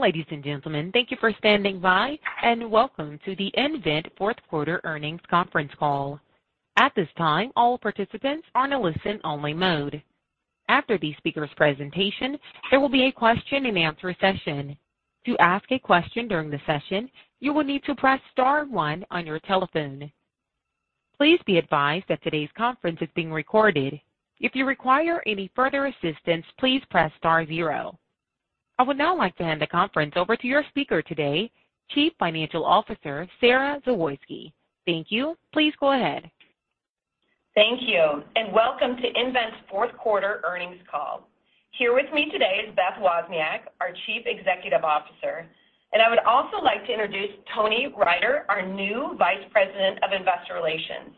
Ladies and gentlemen, thank you for standing by, and welcome to the nVent fourth quarter earnings conference call. At this time, all participants are in a listen-only mode. After the speaker's presentation, there will be a question-and-answer session. To ask a question during the session, you will need to press star one on your telephone. Please be advised that today's conference is being recorded. If you require any further assistance, please press star zero. I would now like to hand the conference over to your speaker today, Chief Financial Officer, Sara Zawoyski. Thank you. Please go ahead. Thank you, and welcome to nVent's fourth quarter earnings call. Here with me today is Beth Wozniak, our Chief Executive Officer. I would also like to introduce Tony Riter, our new Vice President of Investor Relations.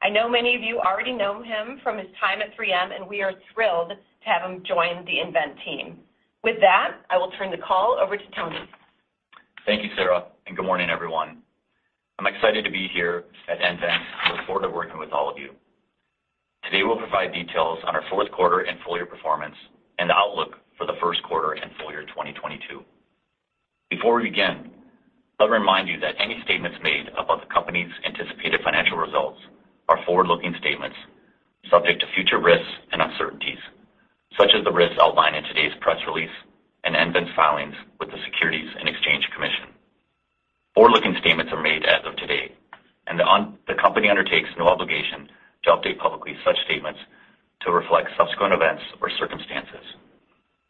I know many of you already know him from his time at 3M, and we are thrilled to have him join the nVent team. With that, I will turn the call over to Tony. Thank you, Sara, and good morning, everyone. I'm excited to be here at nVent and look forward to working with all of you. Today, we'll provide details on our fourth quarter and full year performance and the outlook for the first quarter and full year 2022. Before we begin, let me remind you that any statements made about the company's anticipated financial results are forward-looking statements subject to future risks and uncertainties, such as the risks outlined in today's press release and nVent's filings with the Securities and Exchange Commission. Forward-looking statements are made as of today, and the company undertakes no obligation to update publicly such statements to reflect subsequent events or circumstances.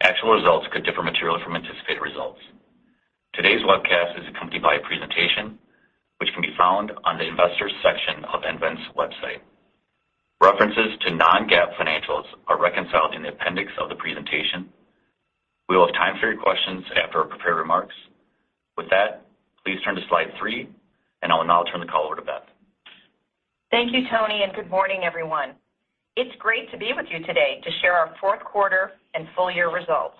Actual results could differ materially from anticipated results. Today's webcast is accompanied by a presentation which can be found on the investors section of nVent's website. References to non-GAAP financials are reconciled in the appendix of the presentation. We will have time for your questions after our prepared remarks. With that, please turn to slide three, and I will now turn the call over to Beth. Thank you, Tony, and good morning, everyone. It's great to be with you today to share our fourth quarter and full year results.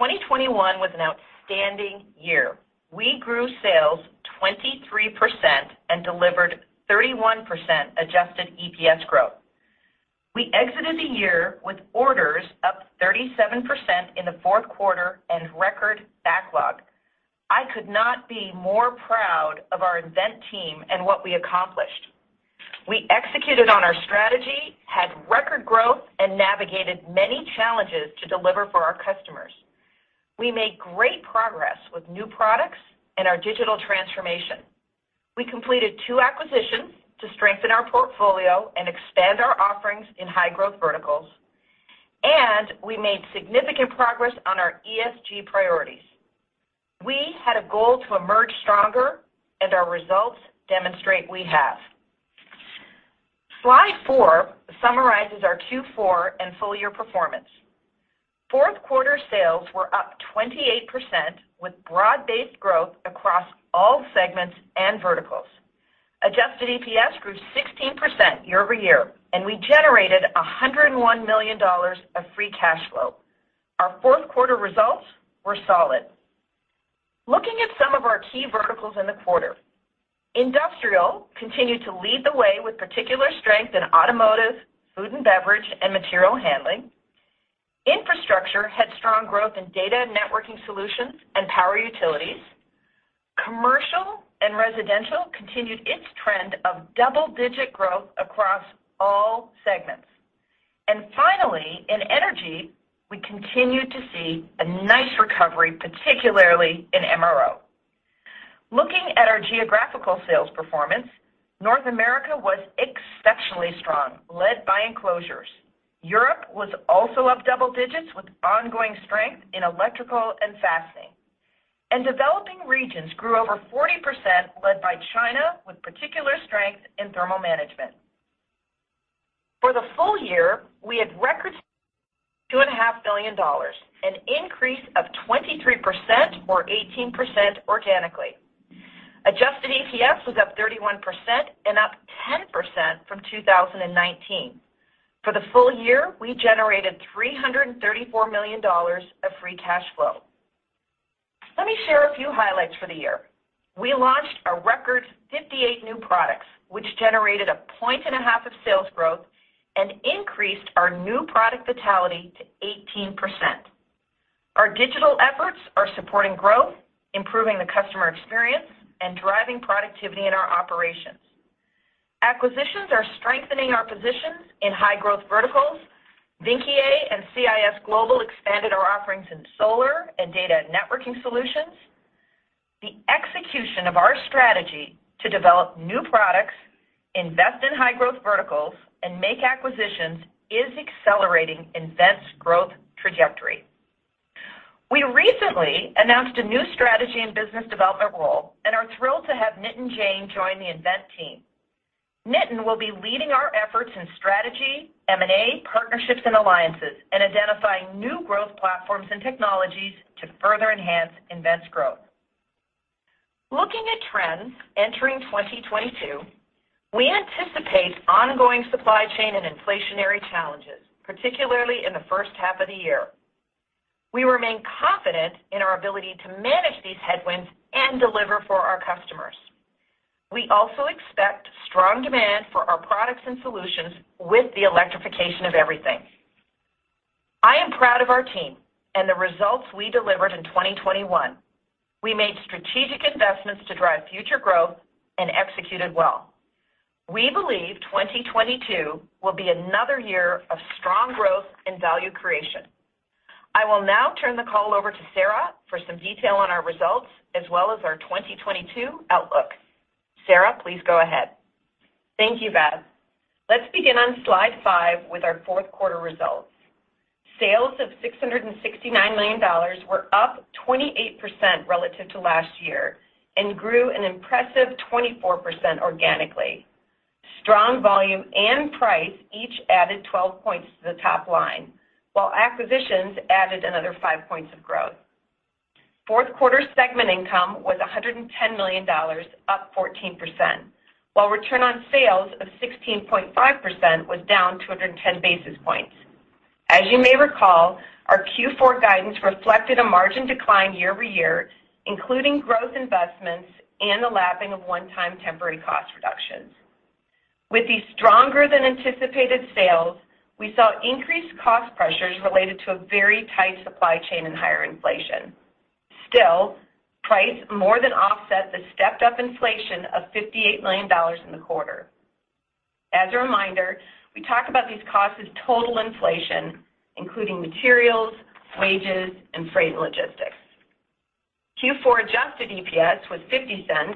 2021 was an outstanding year. We grew sales 23% and delivered 31% adjusted EPS growth. We exited the year with orders up 37% in the fourth quarter and record backlog. I could not be more proud of our nVent team and what we accomplished. We executed on our strategy, had record growth, and navigated many challenges to deliver for our customers. We made great progress with new products and our digital transformation. We completed two acquisitions to strengthen our portfolio and expand our offerings in high-growth verticals. We made significant progress on our ESG priorities. We had a goal to emerge stronger, and our results demonstrate we have. Slide four summarizes our Q4 and full year performance. Fourth quarter sales were up 28% with broad-based growth across all segments and verticals. Adjusted EPS grew 16% year-over-year, and we generated $101 million of free cash flow. Our fourth quarter results were solid. Looking at some of our key verticals in the quarter, Industrial continued to lead the way with particular strength in automotive, food and beverage, and material handling. Infrastructure had strong growth in data and networking solutions and power utilities. Commercial and residential continued its trend of double-digit growth across all segments. Finally, in energy, we continued to see a nice recovery, particularly in MRO. Looking at our geographical sales performance, North America was exceptionally strong, led by Enclosures. Europe was also up double digits with ongoing strength in Electrical and Fastening. Developing regions grew over 40%, led by China with particular strength in Thermal Management. For the full year, we had record $2.5 billion, an increase of 23% or 18% organically. Adjusted EPS was up 31% and up 10% from 2019. For the full year, we generated $334 million of free cash flow. Let me share a few highlights for the year. We launched a record 58 new products, which generated 1.5 points of sales growth and increased our new product vitality to 18%. Our digital efforts are supporting growth, improving the customer experience, and driving productivity in our operations. Acquisitions are strengthening our positions in high-growth verticals. Vynckier and CIS Global expanded our offerings in solar and data networking solutions. The execution of our strategy to develop new products, invest in high-growth verticals, and make acquisitions is accelerating nVent's growth trajectory. We recently announced a new strategy and business development role and are thrilled to have Nitin Jain join the nVent team. Nitin will be leading our efforts in strategy, M&A, partnerships and alliances, and identifying new growth platforms and technologies to further enhance nVent's growth. Looking at trends entering 2022, we anticipate ongoing supply chain and inflationary challenges, particularly in the first half of the year. We remain confident in our ability to manage these headwinds and deliver for our customers. We also expect strong demand for our products and solutions with the electrification of everything. I am proud of our team and the results we delivered in 2021. We made strategic investments to drive future growth and executed well. We believe 2022 will be another year of strong growth and value creation. I will now turn the call over to Sara for some detail on our results as well as our 2022 outlook. Sara, please go ahead. Thank you, Beth. Let's begin on slide 5 with our fourth quarter results. Sales of $669 million were up 28% relative to last year and grew an impressive 24% organically. Strong volume and price each added 12 points to the top line, while acquisitions added another 5 points of growth. Fourth quarter segment income was $110 million, up 14%, while return on sales of 16.5% was down 210 basis points. As you may recall, our Q4 guidance reflected a margin decline year-over-year, including growth investments and the lapping of one-time temporary cost reductions. With the stronger than anticipated sales, we saw increased cost pressures related to a very tight supply chain and higher inflation. Still, price more than offset the stepped-up inflation of $58 million in the quarter. As a reminder, we talk about these costs as total inflation, including materials, wages, and freight logistics. Q4 adjusted EPS was $0.50,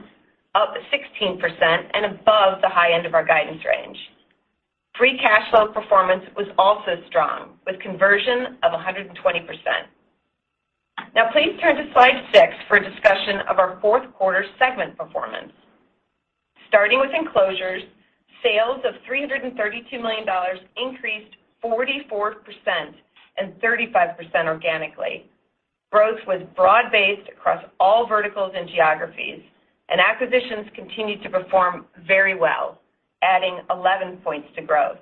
up 16% and above the high end of our guidance range. Free cash flow performance was also strong, with conversion of 120%. Now, please turn to slide six for a discussion of our fourth quarter segment performance. Starting with Enclosures, sales of $332 million increased 44% and 35% organically. Growth was broad-based across all verticals and geographies, and acquisitions continued to perform very well, adding 11 points to growth.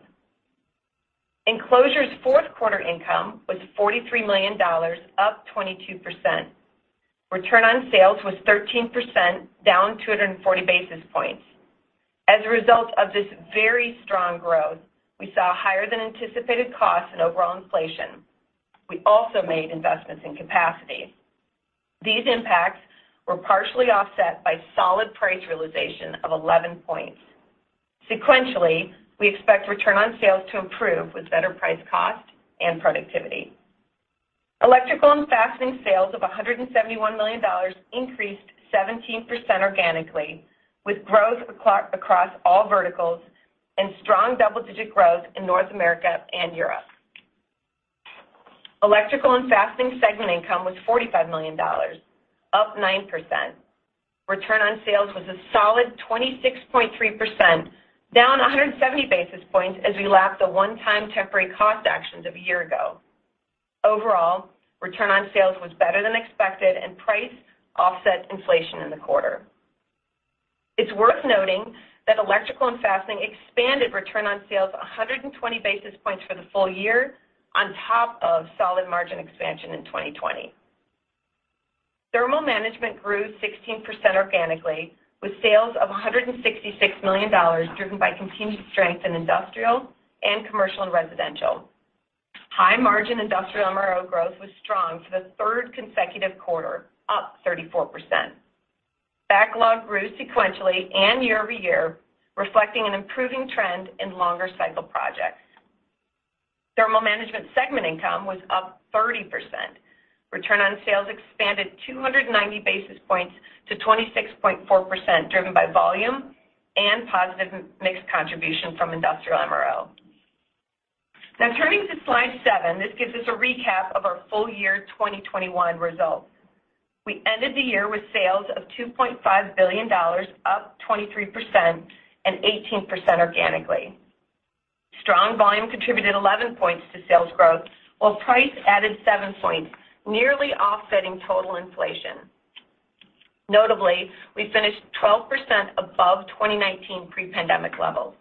Enclosures' fourth-quarter income was $43 million, up 22%. Return on sales was 13%, down 240 basis points. As a result of this very strong growth, we saw higher than anticipated costs and overall inflation. We also made investments in capacity. These impacts were partially offset by solid price realization of 11 points. Sequentially, we expect return on sales to improve with better price cost and productivity. Electrical and Fastening sales of $171 million increased 17% organically, with growth across all verticals and strong double-digit growth in North America and Europe. Electrical and Fastening segment income was $45 million, up 9%. Return on sales was a solid 26.3%, down 170 basis points as we lap the one-time temporary cost actions of a year ago. Overall, return on sales was better than expected and price offset inflation in the quarter. It's worth noting that Electrical and Fastening expanded return on sales 120 basis points for the full year on top of solid margin expansion in 2020. Thermal Management grew 16% organically, with sales of $166 million driven by continued strength in industrial and commercial and residential. High-margin industrial MRO growth was strong for the third consecutive quarter, up 34%. Backlog grew sequentially and year over year, reflecting an improving trend in longer cycle projects. Thermal Management segment income was up 30%. Return on sales expanded 290 basis points to 26.4%, driven by volume and positive mixed contribution from industrial MRO. Now, turning to slide seven, this gives us a recap of our full year 2021 results. We ended the year with sales of $2.5 billion, up 23% and 18% organically. Strong volume contributed 11 points to sales growth, while price added 7 points, nearly offsetting total inflation. Notably, we finished 12% above 2019 pre-pandemic levels.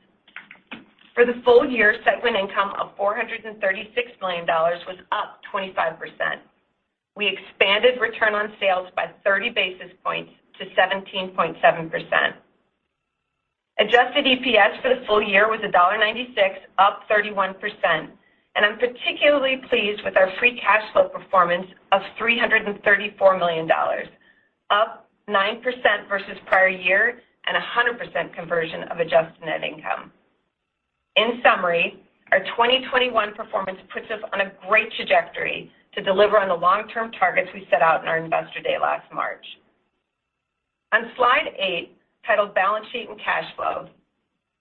For the full year, segment income of $436 million was up 25%. We expanded return on sales by 30 basis points to 17.7%. Adjusted EPS for the full year was $1.96, up 31%. I'm particularly pleased with our free cash flow performance of $334 million, up 9% versus prior year and 100% conversion of adjusted net income. In summary, our 2021 performance puts us on a great trajectory to deliver on the long-term targets we set out in our Investor Day last March. On slide eight, titled Balance Sheet and Cash Flow,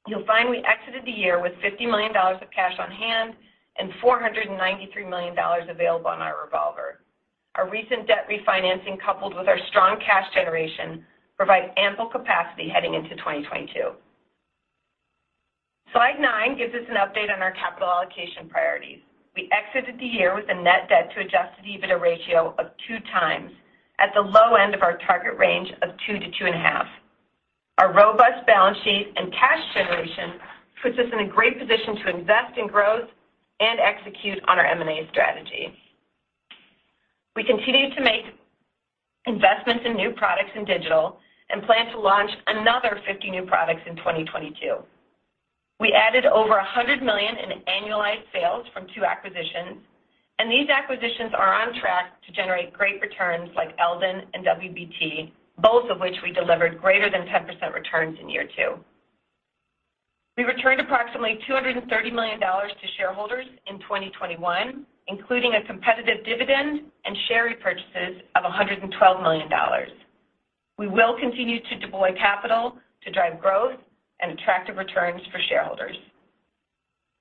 you'll find we exited the year with $50 million of cash on hand and $493 million available on our revolver. Our recent debt refinancing, coupled with our strong cash generation, provides ample capacity heading into 2022. Slide nine gives us an update on our capital allocation priorities. We exited the year with a net debt to adjusted EBITDA ratio of 2x, at the low end of our target range of 2x-2.5x. Our robust balance sheet puts us in a great position to invest in growth and execute on our M&A strategy. We continue to make investments in new products in digital and plan to launch another 50 new products in 2022. We added over $100 million in annualized sales from two acquisitions, and these acquisitions are on track to generate great returns like Eldon and WBT, both of which we delivered greater than 10% returns in year two. We returned approximately $230 million to shareholders in 2021, including a competitive dividend and share repurchases of $112 million. We will continue to deploy capital to drive growth and attractive returns for shareholders.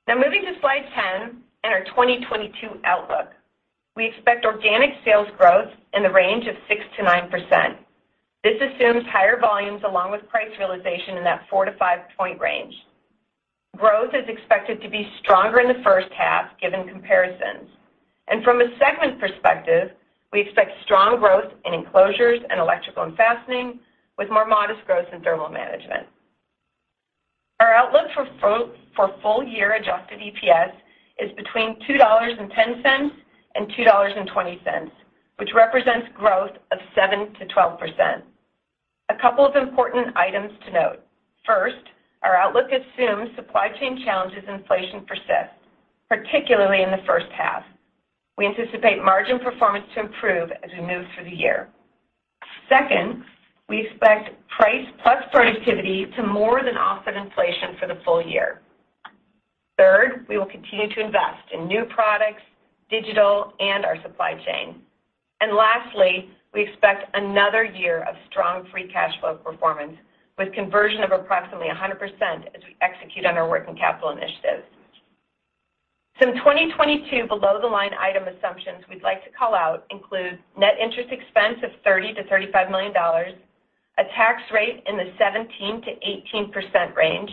Now moving to slide 10 and our 2022 outlook. We expect organic sales growth in the range of 6%-9%. This assumes higher volumes along with price realization in that 4 to 5 point range. Growth is expected to be stronger in the first half given comparisons. From a segment perspective, we expect strong growth in Enclosures and Electrical and Fastening, with more modest growth in Thermal Management. Our outlook for full year adjusted EPS is between $2.10 and $2.20, which represents growth of 7%-12%. A couple of important items to note. First, our outlook assumes supply chain challenges, inflation persists, particularly in the first half. We anticipate margin performance to improve as we move through the year. Second, we expect price plus productivity to more than offset inflation for the full year. Third, we will continue to invest in new products, digital, and our supply chain. Lastly, we expect another year of strong free cash flow performance, with conversion of approximately 100% as we execute on our working capital initiatives. Some 2022 below-the-line item assumptions we'd like to call out include net interest expense of $30 million-$35 million, a tax rate in the 17%-18% range,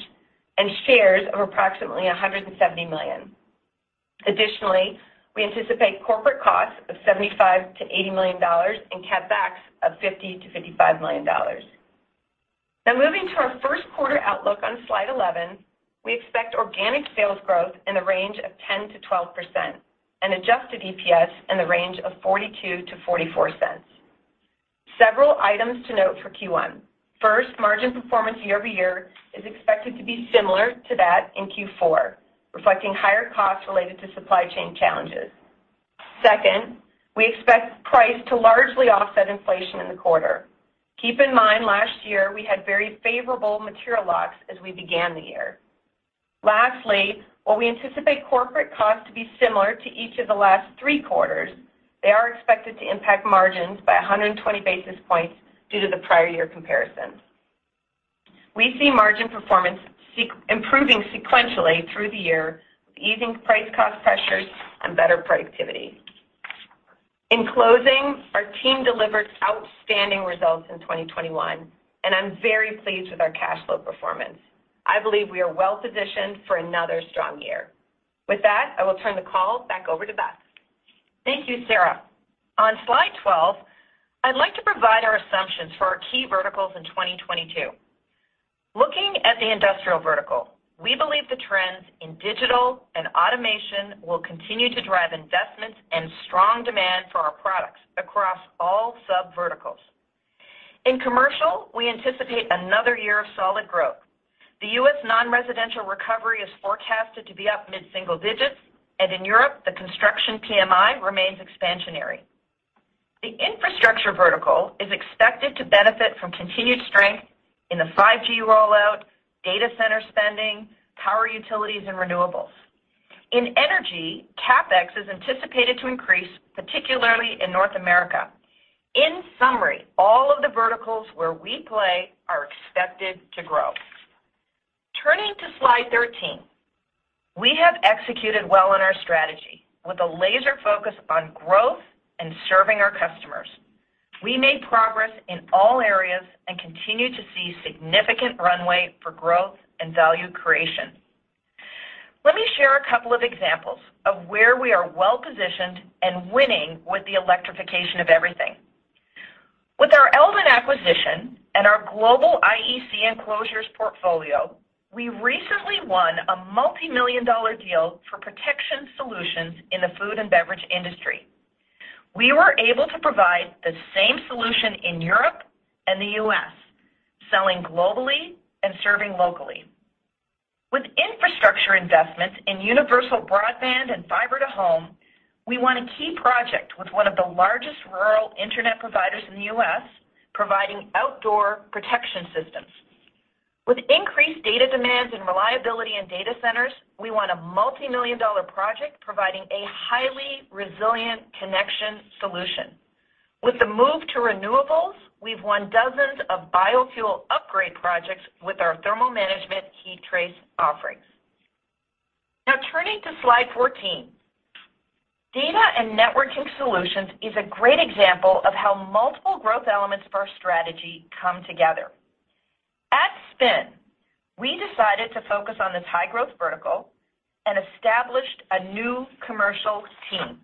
and shares of approximately 170 million. Additionally, we anticipate corporate costs of $75 million-$80 million and CapEx of $50 million-$55 million. Now moving to our first quarter outlook on slide 11. We expect organic sales growth in the range of 10%-12% and adjusted EPS in the range of $0.42-$0.44. Several items to note for Q1. First, margin performance year-over-year is expected to be similar to that in Q4, reflecting higher costs related to supply chain challenges. Second, we expect price to largely offset inflation in the quarter. Keep in mind, last year we had very favorable material locks as we began the year. Lastly, while we anticipate corporate costs to be similar to each of the last three quarters, they are expected to impact margins by 120 basis points due to the prior year comparisons. We see margin performance improving sequentially through the year, easing price cost pressures and better productivity. In closing, our team delivered outstanding results in 2021, and I'm very pleased with our cash flow performance. I believe we are well-positioned for another strong year. With that, I will turn the call back over to Beth. Thank you, Sara. On slide 12, I'd like to provide our assumptions for our key verticals in 2022. Looking at the industrial vertical, we believe the trends in digital and automation will continue to drive investments and strong demand for our products across all sub verticals. In commercial, we anticipate another year of solid growth. The U.S. non-residential recovery is forecasted to be up mid-single digits, and in Europe, the construction PMI remains expansionary. The infrastructure vertical is expected to benefit from continued strength in the 5G rollout, data center spending, power utilities, and renewables. In energy, CapEx is anticipated to increase, particularly in North America. In summary, all of the verticals where we play are expected to grow. Turning to slide 13, we have executed well on our strategy with a laser focus on growth and serving our customers. We made progress in all areas and continue to see significant runway for growth and value creation. Let me share a couple of examples of where we are well-positioned and winning with the electrification of everything. With our Eldon acquisition and our Global IEC Enclosures portfolio, we recently won a multimillion-dollar deal for protection solutions in the food and beverage industry. We were able to provide the same solution in Europe and the U.S., selling globally and serving locally. With infrastructure investments in universal broadband and fiber to home, we won a key project with one of the largest rural internet providers in the U.S., providing outdoor protection systems. With increased data demands and reliability in data centers, we won a multimillion-dollar project providing a highly resilient connection solution. With the move to renewables, we've won dozens of biofuel upgrade projects with our Thermal Management heat trace offerings. Now turning to slide 14. Data and networking solutions is a great example of how multiple growth elements of our strategy come together. At spin, we decided to focus on this high-growth vertical and established a new commercial team.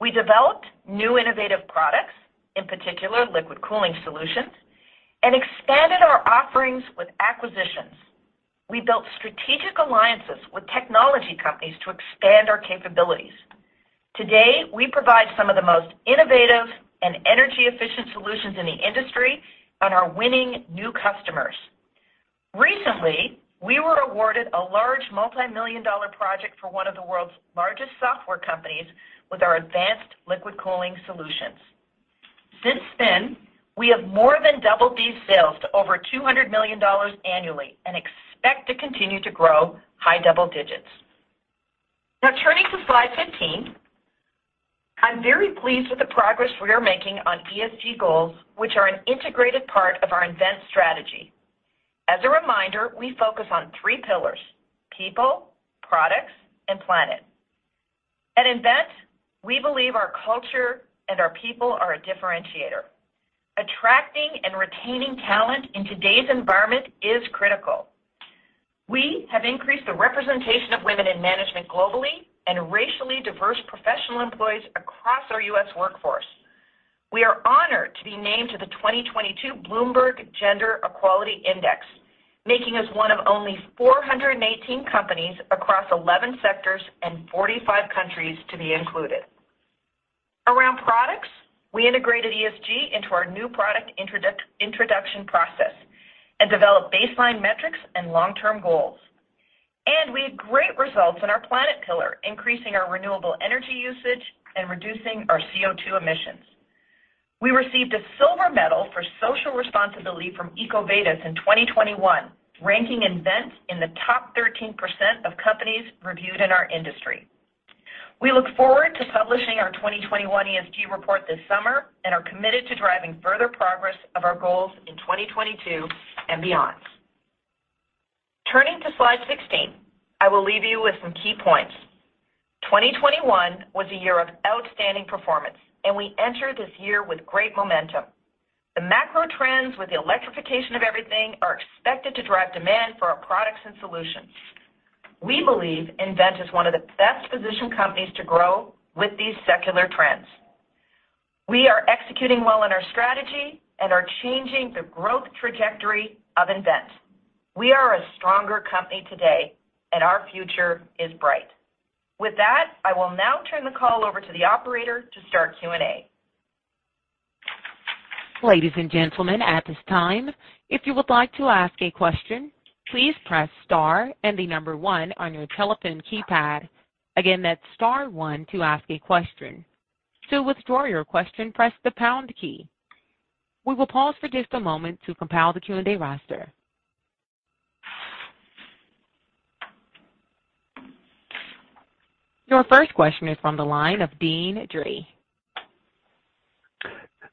We developed new innovative products, in particular liquid cooling solutions, and expanded our offerings with acquisitions. We built strategic alliances with technology companies to expand our capabilities. Today, we provide some of the most innovative and energy-efficient solutions in the industry and are winning new customers. Recently, we were awarded a large multi-million dollar project for one of the world's largest software companies with our advanced liquid cooling solutions. Since then, we have more than doubled these sales to over $200 million annually and expect to continue to grow high double digits. Now turning to slide 15. I'm very pleased with the progress we are making on ESG goals, which are an integrated part of our nVent strategy. As a reminder, we focus on three pillars, people, products, and planet. At nVent, we believe our culture and our people are a differentiator. Attracting and retaining talent in today's environment is critical. We have increased the representation of women in management globally and racially diverse professional employees across our U.S. workforce. We are honored to be named to the 2022 Bloomberg Gender-Equality Index, making us one of only 418 companies across 11 sectors and 45 countries to be included. Around products, we integrated ESG into our new product introduction process and developed baseline metrics and long-term goals. We had great results in our planet pillar, increasing our renewable energy usage and reducing our CO2 emissions. We received a silver medal for social responsibility from EcoVadis in 2021, ranking nVent in the top 13% of companies reviewed in our industry. We look forward to publishing our 2021 ESG report this summer and are committed to driving further progress of our goals in 2022 and beyond. Turning to slide 16, I will leave you with some key points. 2021 was a year of outstanding performance, and we enter this year with great momentum. The macro trends with the electrification of everything are expected to drive demand for our products and solutions. We believe nVent is one of the best-positioned companies to grow with these secular trends. We are executing well on our strategy and are changing the growth trajectory of nVent. We are a stronger company today, and our future is bright. With that, I will now turn the call over to the operator to start Q&A. Ladies and gentlemen, at this time, if you would like to ask a question, please press star and the number one on your telephone keypad. Again, that's star one to ask a question. To withdraw your question, press the pound key. We will pause for just a moment to compile the Q&A roster. Your first question is from the line of Deane Dray.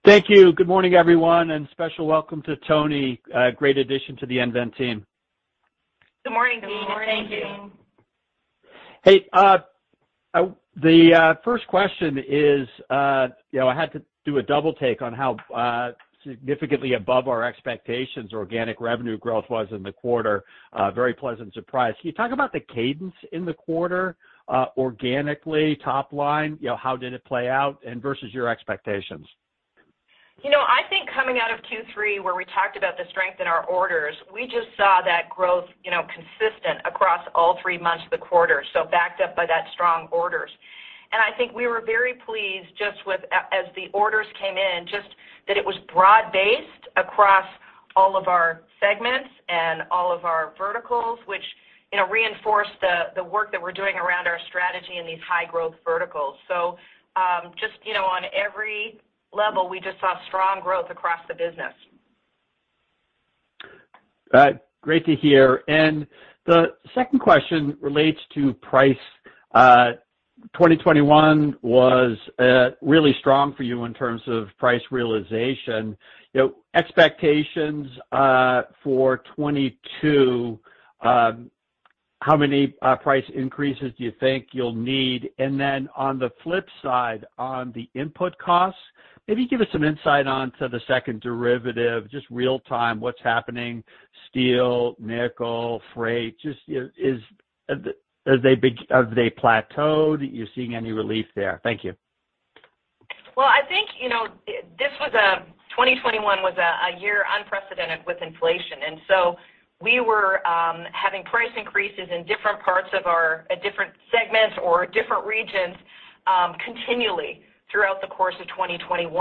Thank you. Good morning, everyone, and special welcome to Tony. A great addition to the nVent team. Good morning, Deane. Thank you. Good morning. Hey, the first question is, you know, I had to do a double take on how significantly above our expectations organic revenue growth was in the quarter. A very pleasant surprise. Can you talk about the cadence in the quarter, organically, top line? You know, how did it play out and versus your expectations? You know, I think coming out of Q3, where we talked about the strength in our orders, we just saw that growth, you know, consistent across all three months of the quarter, so backed up by that strong orders. I think we were very pleased just as the orders came in, just that it was broad-based across all of our segments and all of our verticals, which, you know, reinforced the work that we're doing around our strategy in these high-growth verticals. Just, you know, on every level, we just saw strong growth across the business. Great to hear. The second question relates to price. 2021 was really strong for you in terms of price realization. You know, expectations for 2022, how many price increases do you think you'll need? On the flip side, on the input costs, maybe give us some insight into the second derivative, just in real time, what's happening, steel, nickel, freight. Just, you know, have they plateaued? Are you seeing any relief there? Thank you. Well, I think, you know, 2021 was a year unprecedented with inflation. We were having price increases in different parts of our different segments or different regions continually throughout the course of 2021.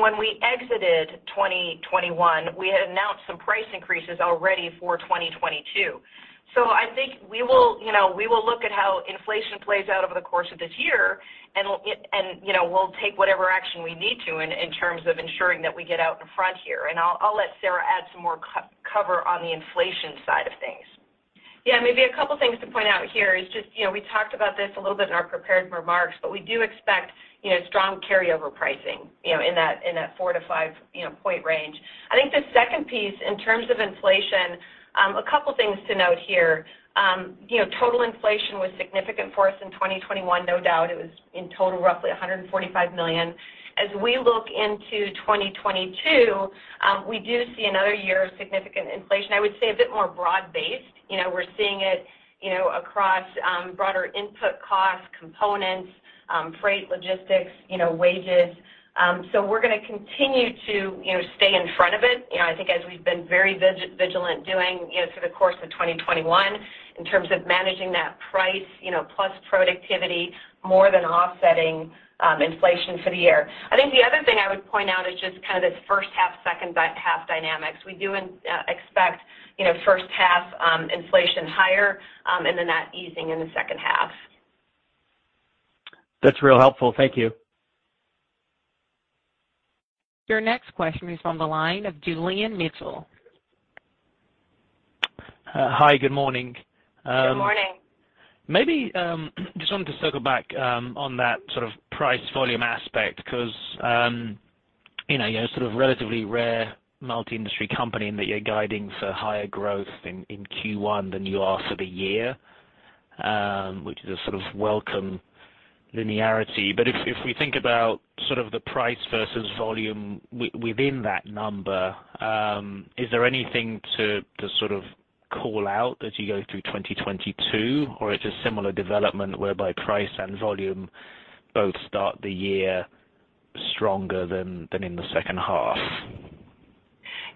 When we exited 2021, we had announced some price increases already for 2022. I think we will, you know, we will look at how inflation plays out over the course of this year, and, you know, we'll take whatever action we need to in terms of ensuring that we get out in front here. I'll let Sara add some more color on the inflation side of things. Yeah. Maybe a couple things to point out here is just, you know, we talked about this a little bit in our prepared remarks, but we do expect, you know, strong carryover pricing, you know, in that 4-5 point range. I think the second piece, in terms of inflation, a couple things to note here. You know, total inflation was significant for us in 2021, no doubt. It was, in total, roughly $145 million. As we look into 2022, we do see another year of significant inflation. I would say a bit more broad-based. You know, we're seeing it, you know, across broader input costs, components, freight, logistics, you know, wages. We're gonna continue to, you know, stay in front of it, you know, I think as we've been very vigilant doing, you know, through the course of 2021 in terms of managing that price, you know, plus productivity more than offsetting inflation for the year. I think the other thing I would point out is just kind of this first half, second half dynamics. We do expect, you know, first half inflation higher, and then that easing in the second half. That's real helpful. Thank you. Your next question is on the line of Julian Mitchell. Hi, good morning. Good morning. Maybe just wanted to circle back on that sort of price volume aspect because you know you're sort of relatively rare multi-industry company in that you're guiding for higher growth in Q1 than you are for the year which is a sort of welcome linearity. If we think about sort of the price versus volume within that number is there anything to sort of call out as you go through 2022 or it's a similar development whereby price and volume both start the year stronger than in the second half?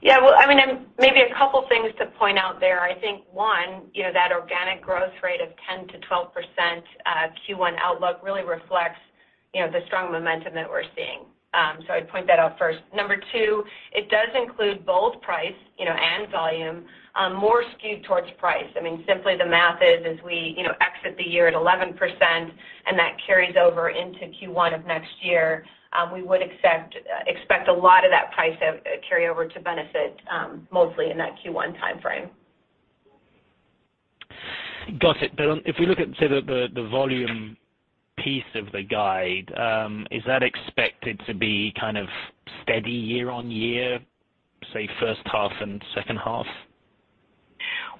Yeah. Well, I mean, maybe a couple things to point out there. I think, one, you know, that organic growth rate of 10%-12%, Q1 outlook really reflects, you know, the strong momentum that we're seeing. I'd point that out first. Number two, it does include both price, you know, and volume, more skewed towards price. I mean, simply the math is as we, you know, exit the year at 11% and that carries over into Q1 of next year, we would expect a lot of that price carryover to benefit, mostly in that Q1 timeframe. Got it. On if we look at, say, the volume piece of the guide, is that expected to be kind of steady year-over-year, say first half and second half?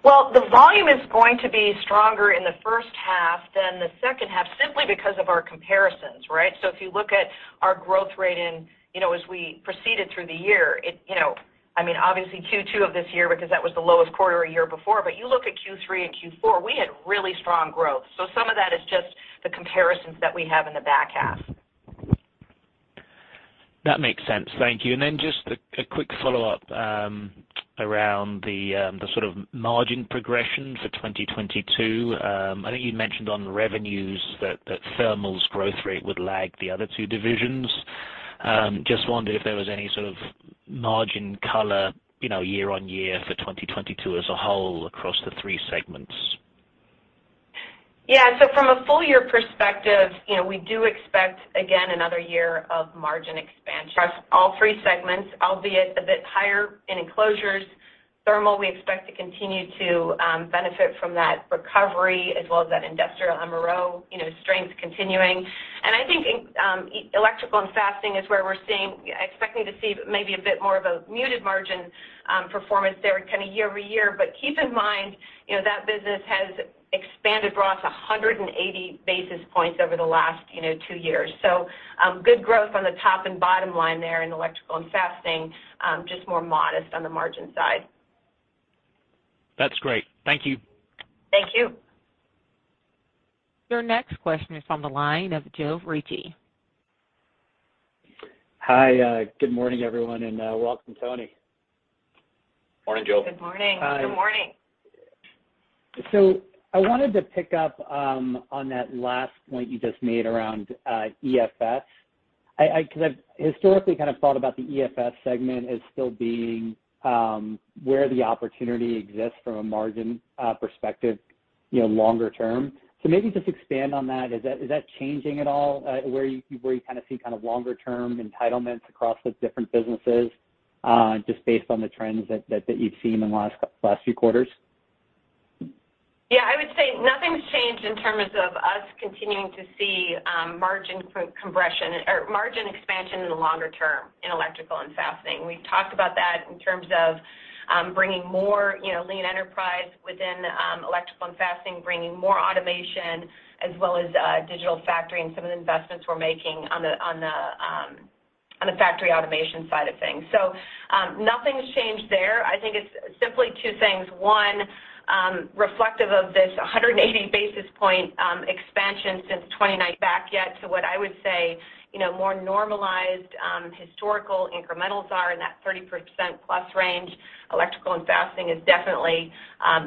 Well, the volume is going to be stronger in the first half than the second half simply because of our comparisons, right? If you look at our growth rate in, you know, as we proceeded through the year, it, you know, I mean, obviously Q2 of this year because that was the lowest quarter a year before. You look at Q3 and Q4, we had really strong growth. Some of that is just the comparisons that we have in the back half. That makes sense. Thank you. Just a quick follow-up around the sort of margin progression for 2022. I think you mentioned on the revenues that Thermal's growth rate would lag the other two divisions. Just wondered if there was any sort of margin color, you know, year-on-year for 2022 as a whole across the three segments. Yeah. From a full year perspective, you know, we do expect again another year of margin expansion across all three segments, albeit a bit higher in Enclosures. Thermal, we expect to continue to benefit from that recovery as well as that industrial MRO, you know, strength continuing. I think in Electrical and Fastening is where we're expecting to see maybe a bit more of a muted margin performance there kind of year-over-year. Keep in mind, you know, that business has expanded 180 basis points over the last, you know, two years. Good growth on the top and bottom line there in Electrical and Fastening, just more modest on the margin side. That's great. Thank you. Thank you. Your next question is on the line of Joe Ritchie. Hi. Good morning, everyone, and welcome, Tony. Morning, Joe. Good morning. Good morning. I wanted to pick up on that last point you just made around EFS. I 'cause I've historically kind of thought about the EFS segment as still being where the opportunity exists from a margin perspective, you know, longer term. Maybe just expand on that. Is that changing at all where you kind of see longer term entitlements across the different businesses just based on the trends that you've seen in the last few quarters? Yeah, I would say nothing's changed in terms of us continuing to see margin compression or margin expansion in the longer term in Electrical and Fastening. We've talked about that in terms of bringing more, you know, lean enterprise within Electrical and Fastening, bringing more automation as well as digital factory and some of the investments we're making on the factory automation side of things. Nothing's changed there. I think it's simply two things. One, reflective of this 180 basis points expansion since 29 back to what I would say, you know, more normalized historical incrementals are in that 30%+ range. Electrical and Fastening is definitely,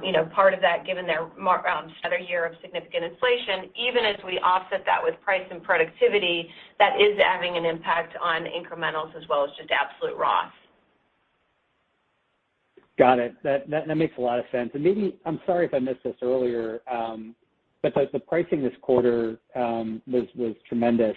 you know, part of that given they're another year of significant inflation. Even as we offset that with price and productivity, that is having an impact on incrementals as well as just absolute raw. Got it. That makes a lot of sense. Maybe I'm sorry if I missed this earlier, but like the pricing this quarter was tremendous.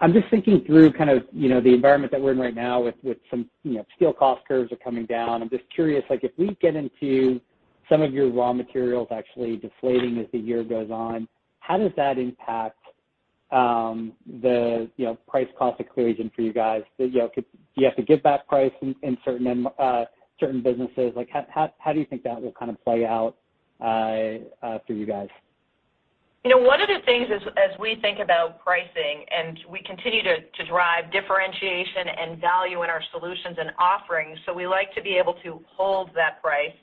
I'm just thinking through kind of you know the environment that we're in right now with some you know steel cost curves are coming down. I'm just curious like if we get into some of your raw materials actually deflating as the year goes on, how does that impact the price cost equation for you guys? You know could you have to give back price in certain businesses? Like how do you think that will kind of play out for you guys? You know, one of the things as we think about pricing and we continue to drive differentiation and value in our solutions and offerings, so we like to be able to hold that price.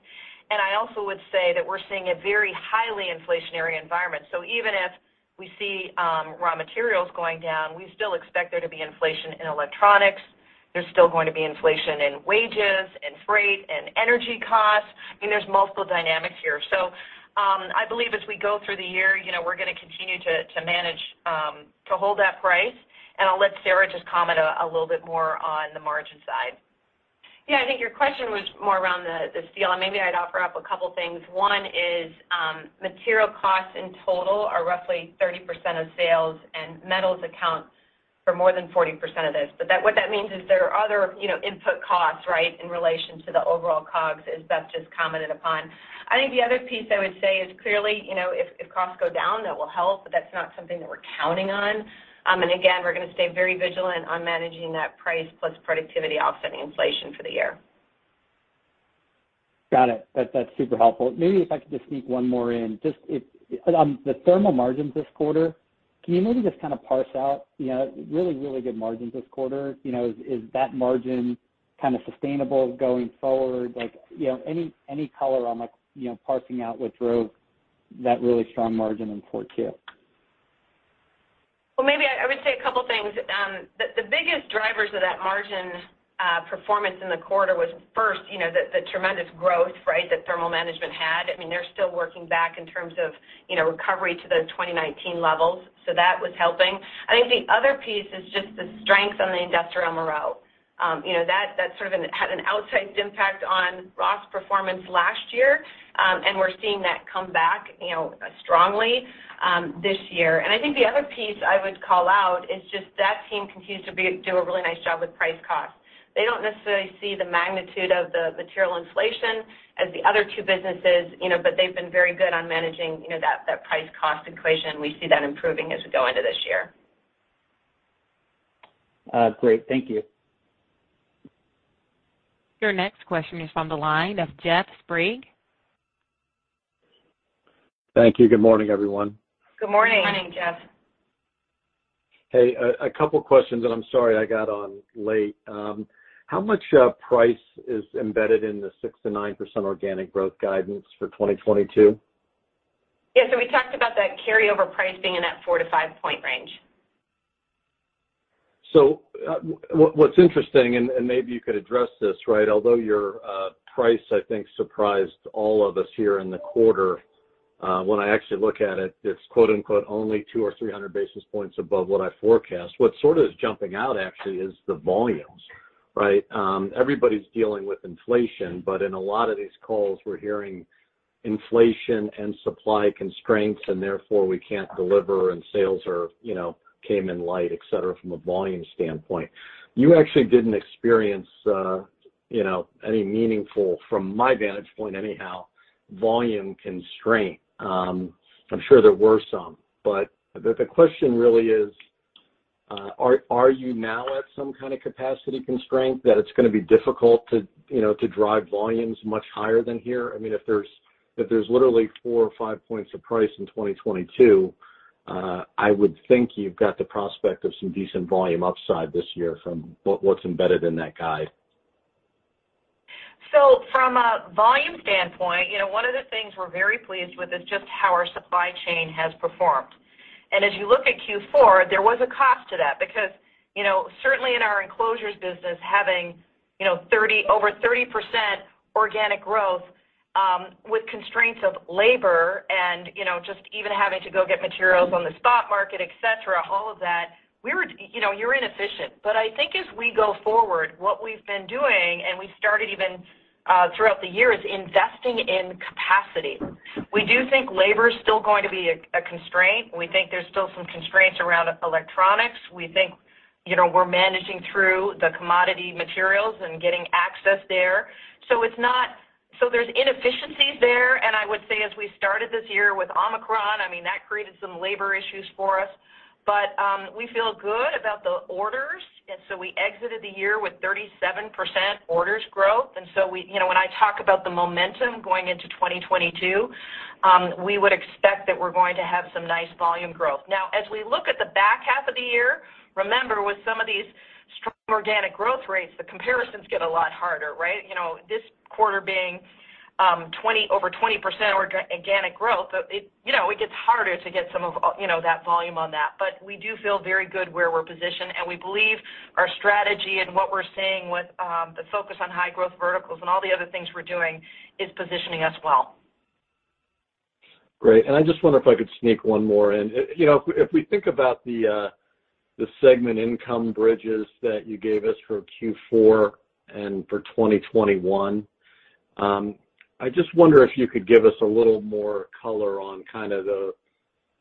I also would say that we're seeing a very highly inflationary environment. Even if we see raw materials going down, we still expect there to be inflation in electronics. There's still going to be inflation in wages, in freight, in energy costs. I mean, there's multiple dynamics here. I believe as we go through the year, you know, we're gonna continue to manage to hold that price. I'll let Sara just comment a little bit more on the margin side. Yeah. I think your question was more around the steel, and maybe I'd offer up a couple things. One is, material costs in total are roughly 30% of sales, and metals account for more than 40% of those. That, what that means is there are other, you know, input costs, right, in relation to the overall COGS, as Beth just commented upon. I think the other piece I would say is clearly, you know, if costs go down, that will help, but that's not something that we're counting on. Again, we're gonna stay very vigilant on managing that price plus productivity offsetting inflation for the year. Got it. That's super helpful. Maybe if I could just sneak one more in. Just on the thermal margins this quarter, can you maybe just kind of parse out, you know, really good margins this quarter. You know, is that margin kind of sustainable going forward? Like, you know, any color on like, you know, parsing out what drove that really strong margin in 4Q? Maybe I would say a couple things. The biggest drivers of that margin performance in the quarter was first, you know, the tremendous growth, right, that Thermal Management had. I mean, they're still working back in terms of, you know, recovery to the 2019 levels, so that was helping. I think the other piece is just the strength on the industrial MRO. You know, that sort of had an outsized impact on gross performance last year. We're seeing that come back, you know, strongly, this year. I think the other piece I would call out is just that team continues to do a really nice job with price cost. They don't necessarily see the magnitude of the material inflation as the other two businesses, you know, but they've been very good on managing, you know, that price cost equation. We see that improving as we go into this year. Great. Thank you. Your next question is from the line of Jeffrey Sprague. Thank you. Good morning, everyone. Good morning. Good morning, Jeff. Hey, a couple questions, and I'm sorry I got on late. How much price is embedded in the 6%-9% organic growth guidance for 2022? Yeah. We talked about that carryover price being in that 4-5 point range. What's interesting, and maybe you could address this, right? Although your price, I think, surprised all of us here in the quarter, when I actually look at it's quote, unquote, only 200 or 300 basis points above what I forecast. What sort of is jumping out actually is the volumes, right? Everybody's dealing with inflation, but in a lot of these calls, we're hearing inflation and supply constraints, and therefore we can't deliver and sales are, you know, came in light, et cetera, from a volume standpoint. You actually didn't experience, you know, any meaningful, from my vantage point anyhow, volume constraint. I'm sure there were some, but the question really is, are you now at some kind of capacity constraint that it's gonna be difficult to, you know, to drive volumes much higher than here? I mean, if there's literally 4 or 5 points of price in 2022, I would think you've got the prospect of some decent volume upside this year from what's embedded in that guide. From a volume standpoint, you know, one of the things we're very pleased with is just how our supply chain has performed. As you look at Q4, there was a cost to that because, you know, certainly in our Enclosures business, having, you know, over 30% organic growth, with constraints of labor and, you know, just even having to go get materials on the spot market, et cetera, all of that, we were, you know, you're inefficient. I think as we go forward, what we've been doing, and we started even throughout the year, is investing in capacity. We do think labor's still going to be a constraint. We think there's still some constraints around electronics. We think, you know, we're managing through the commodity materials and getting access there. There's inefficiencies there, and I would say as we started this year with Omicron, I mean, that created some labor issues for us. We feel good about the orders, and so we exited the year with 37% orders growth. You know, when I talk about the momentum going into 2022, we would expect that we're going to have some nice volume growth. Now, as we look at the back half of the year, remember, with some of these strong organic growth rates, the comparisons get a lot harder, right? You know, this quarter being over 20% organic growth, it, you know, it gets harder to get some of, you know, that volume on that. We do feel very good where we're positioned, and we believe our strategy and what we're seeing with the focus on high growth verticals and all the other things we're doing is positioning us well. Great. I just wonder if I could sneak one more in. You know, if we think about the segment income bridges that you gave us for Q4 and for 2021, I just wonder if you could give us a little more color on kind of the,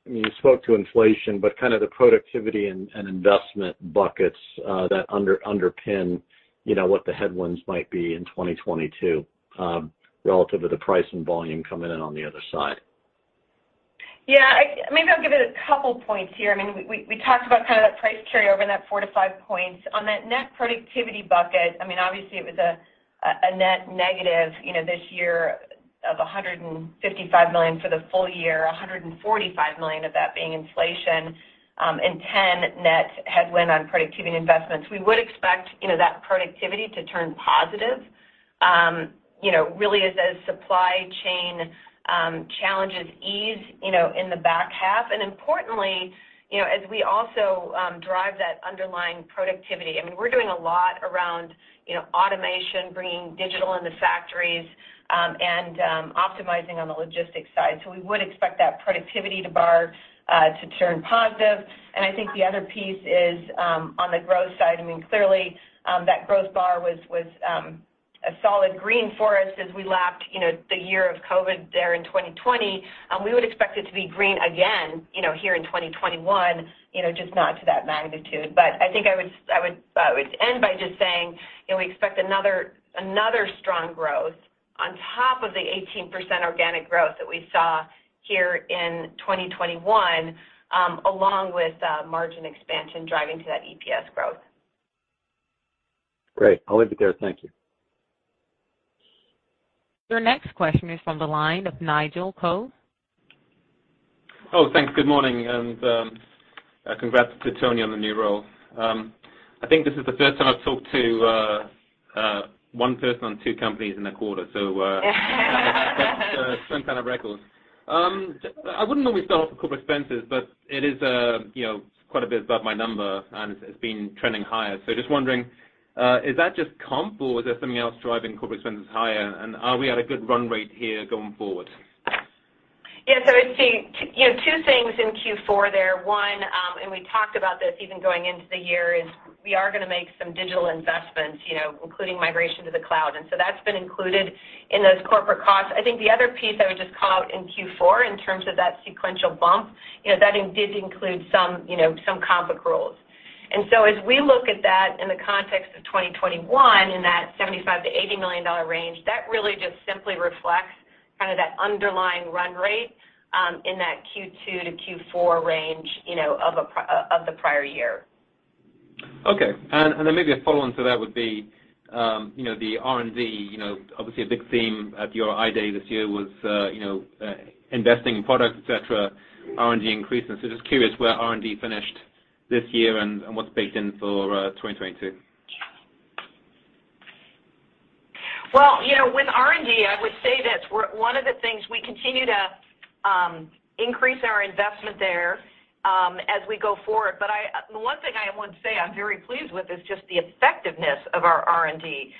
I mean, you spoke to inflation, but kind of the productivity and investment buckets that underpin, you know, what the headwinds might be in 2022, relative to the price and volume coming in on the other side? Yeah. I maybe I'll give it a couple points here. I mean, we talked about kind of that price carryover and that 4-5 points. On that net productivity bucket, I mean, obviously it was a net negative, you know, this year of $155 million for the full year, $145 million of that being inflation, and $10 million net headwind on productivity investments. We would expect, you know, that productivity to turn positive, you know, really as those supply chain challenges ease, you know, in the back half. Importantly, you know, as we also drive that underlying productivity. I mean, we're doing a lot around, you know, automation, bringing digital in the factories, and optimizing on the logistics side. We would expect that productivity to turn positive. I think the other piece is, on the growth side. I mean, clearly, that growth bar was a solid green for us as we lapped, you know, the year of COVID there in 2020. We would expect it to be green again, you know, here in 2021, you know, just not to that magnitude. I think I would end by just saying, you know, we expect another strong growth on top of the 18% organic growth that we saw here in 2021, along with margin expansion driving to that EPS growth. Great. I'll leave it there. Thank you. Your next question is from the line of Nigel Coe. Oh, thanks. Good morning, and congrats to Tony on the new role. I think this is the first time I've talked to one person on two companies in a quarter. That's some kind of record. I wouldn't normally start off with corporate expenses, but it is, you know, quite a bit above my number, and it's been trending higher. Just wondering, is that just comp or is there something else driving corporate expenses higher? Are we at a good run rate here going forward? I would say you know, two things in Q4 there. One, and we talked about this even going into the year, is we are gonna make some digital investments, you know, including migration to the cloud. That's been included in those corporate costs. I think the other piece I would just call out in Q4 in terms of that sequential bump, you know, that did include some comp accruals. As we look at that in the context of 2021, in that $75 million-$80 million range, that really just simply reflects kind of that underlying run rate, in that Q2 to Q4 range, you know, of the prior year. Maybe a follow-on to that would be, you know, the R&D. You know, obviously a big theme at your I-Day this year was, you know, investing in products, et cetera, R&D increases. Just curious where R&D finished this year and what's baked in for 2022. Well, you know, with R&D, I would say that we're one of the things we continue to increase our investment there as we go forward. The one thing I would say I'm very pleased with is just the effectiveness of our R&D.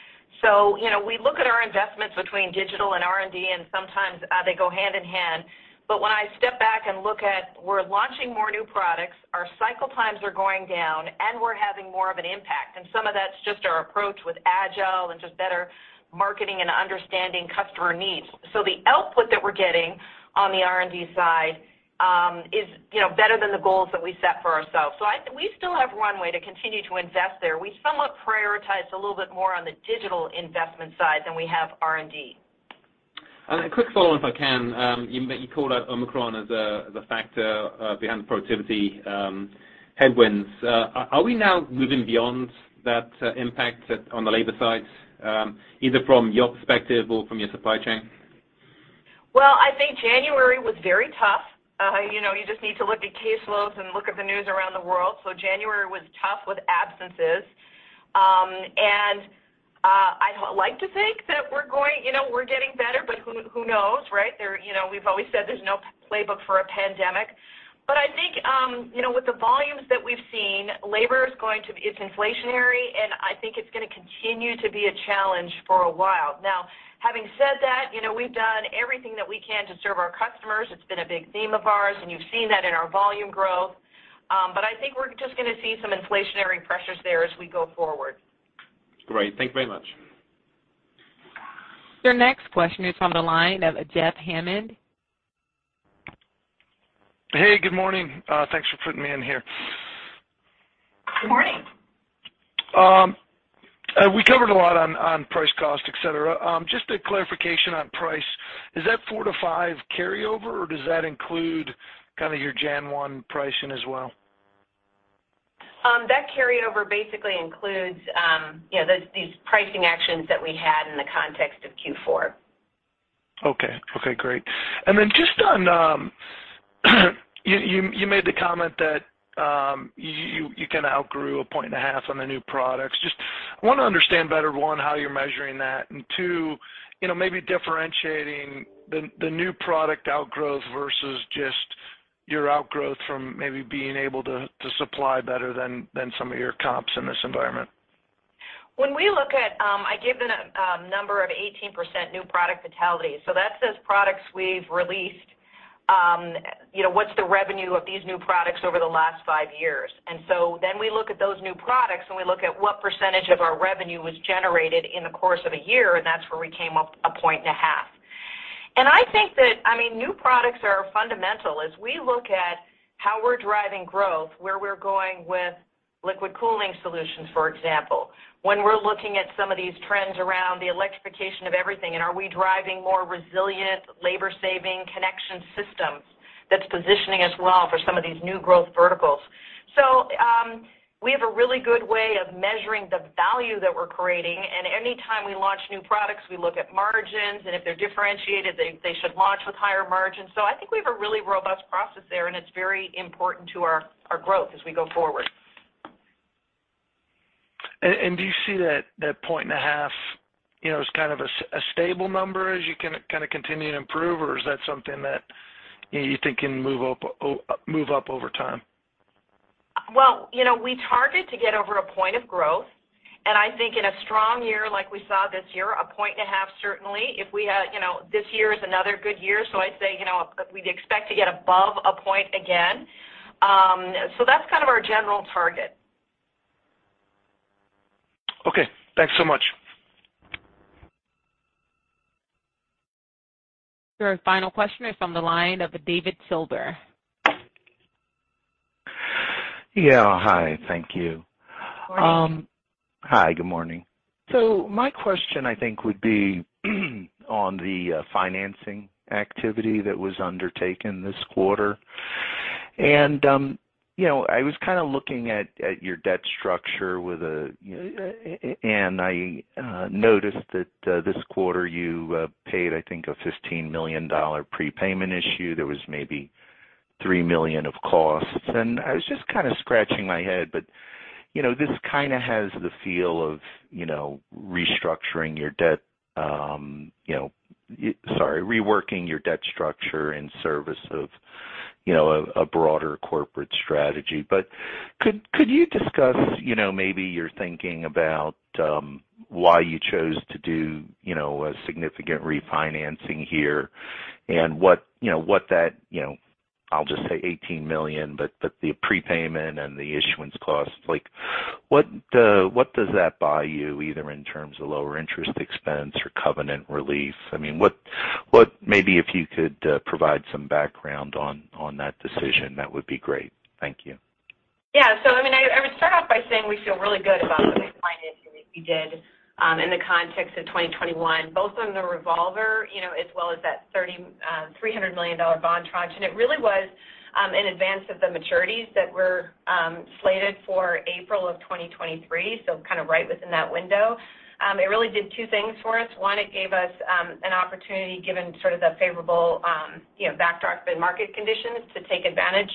You know, we look at our investments between digital and R&D, and sometimes they go hand in hand. When I step back and look at we're launching more new products, our cycle times are going down, and we're having more of an impact, and some of that's just our approach with Agile and just better marketing and understanding customer needs. The output that we're getting on the R&D side is, you know, better than the goals that we set for ourselves. We still have runway to continue to invest there. We somewhat prioritize a little bit more on the digital investment side than we have R&D. A quick follow if I can. You called out Omicron as a factor behind the productivity headwinds. Are we now moving beyond that impact on the labor side, either from your perspective or from your supply chain? Well, I think January was very tough. You know, you just need to look at caseloads and look at the news around the world. January was tough with absences. I'd like to think that you know, we're getting better, but who knows, right? You know, we've always said there's no playbook for a pandemic. I think, you know, with the volumes that we've seen, labor is going to be inflationary, and I think it's gonna continue to be a challenge for a while. Now, having said that, you know, we've done everything that we can to serve our customers. It's been a big theme of ours, and you've seen that in our volume growth. I think we're just gonna see some inflationary pressures there as we go forward. Great. Thank you very much. Your next question is from the line of Jeff Hammond. Hey, good morning. Thanks for putting me in here. Good morning. We covered a lot on price cost, et cetera. Just a clarification on price. Is that 4%-5% carryover, or does that include kinda your January 1 pricing as well? That carryover basically includes, you know, these pricing actions that we had in the context of Q4. Okay, great. You made the comment that you kinda outgrew 1.5 points on the new products. Just wanna understand better, one, how you're measuring that, and two, you know, maybe differentiating the new product outgrowth versus just your outgrowth from maybe being able to supply better than some of your comps in this environment. When we look at, I gave the number of 18% new product vitality. That's those products we've released. You know, what's the revenue of these new products over the last five years? We look at those new products, and we look at what percentage of our revenue was generated in the course of a year, and that's where we came up a point and a half. I think that, I mean, new products are fundamental. As we look at how we're driving growth, where we're going with liquid cooling solutions, for example, when we're looking at some of these trends around the electrification of everything, and are we driving more resilient, labor-saving connection systems that's positioning us well for some of these new growth verticals? We have a really good way of measuring the value that we're creating, and any time we launch new products, we look at margins, and if they're differentiated, they should launch with higher margins. I think we have a really robust process there, and it's very important to our growth as we go forward. Do you see that 1.5, you know, as kind of a stable number as you kinda continue to improve, or is that something that you think can move up over time? Well, you know, we target to get over 1% growth. I think in a strong year, like we saw this year, 1.5, certainly. If we had, you know, this year is another good year, so I'd say, you know, we'd expect to get above 1% again. That's kind of our general target. Okay, thanks so much. Your final question is from the line of David Silver. Yeah. Hi, thank you. Morning. Hi, good morning. My question, I think, would be on the financing activity that was undertaken this quarter. You know, I was kind of looking at your debt structure and I noticed that this quarter you paid, I think, a $15 million prepayment issuance. There was maybe $3 million of costs. I was just kinda scratching my head, but you know, this kinda has the feel of restructuring your debt, you know, Sorry, reworking your debt structure in service of a broader corporate strategy. Could you discuss your thinking about why you chose to do a significant refinancing here and what that, you know, I'll just say $18 million, but the prepayment and the issuance costs. Like, what does that buy you, either in terms of lower interest expense or covenant relief? I mean, maybe if you could provide some background on that decision, that would be great. Thank you. Yeah. I mean, I would start off by saying we feel really good about the refinancing that we did in the context of 2021, both on the revolver, you know, as well as that $300 million bond tranche. It really was in advance of the maturities that were slated for April of 2023, so kind of right within that window. It really did two things for us. One, it gave us an opportunity, given sort of the favorable you know, backdrop and market conditions, to take advantage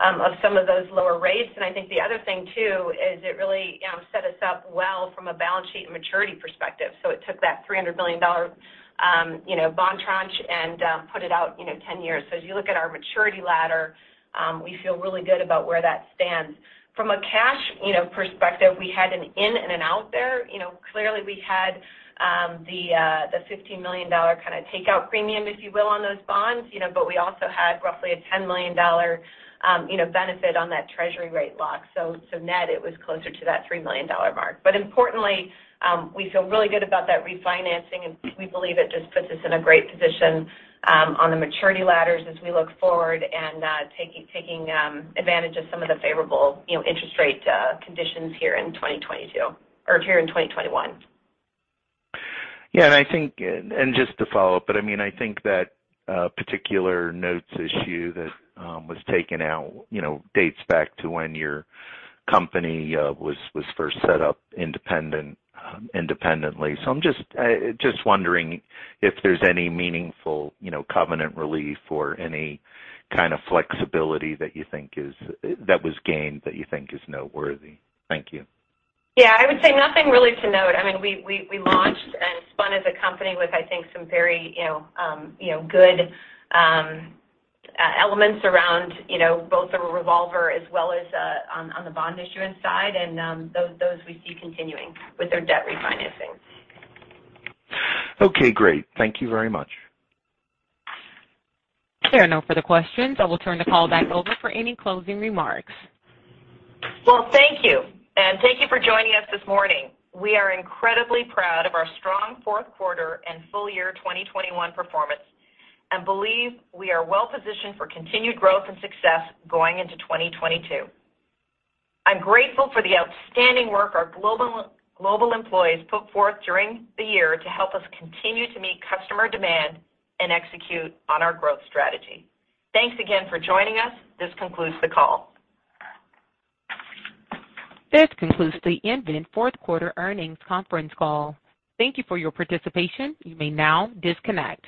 of some of those lower rates. I think the other thing too is it really set us up well from a balance sheet and maturity perspective. It took that $300 million, you know, bond tranche and put it out, you know, 10 years. As you look at our maturity ladder, we feel really good about where that stands. From a cash, you know, perspective, we had an in and an out there. You know, clearly we had the $15 million kinda takeout premium, if you will, on those bonds, you know, but we also had roughly a $10 million, you know, benefit on that treasury rate lock. Net, it was closer to that $3 million mark. Importantly, we feel really good about that refinancing, and we believe it just puts us in a great position on the maturity ladders as we look forward and taking advantage of some of the favorable, you know, interest rate conditions here in 2022 or here in 2021. Just to follow up, but I mean, I think that particular notes issue that was taken out, you know, dates back to when your company was first set up independently. I'm just wondering if there's any meaningful covenant relief or any kind of flexibility that you think was gained that you think is noteworthy. Thank you. Yeah. I would say nothing really to note. I mean, we launched and spun as a company with, I think, some very good elements around both the revolver as well as on the bond issuance side. Those we see continuing with their debt refinancing. Okay. Great. Thank you very much. There are no further questions. I will turn the call back over for any closing remarks. Well, thank you. Thank you for joining us this morning. We are incredibly proud of our strong fourth quarter and full year 2021 performance and believe we are well positioned for continued growth and success going into 2022. I'm grateful for the outstanding work our global employees put forth during the year to help us continue to meet customer demand and execute on our growth strategy. Thanks again for joining us. This concludes the call. This concludes the nVent fourth quarter earnings conference call. Thank you for your participation. You may now disconnect.